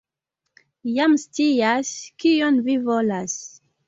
jam scias, kion vi volas!